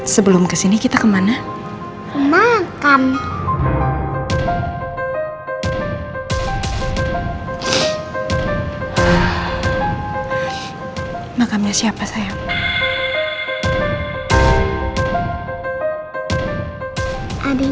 saya mencintai kamu andin karisma putri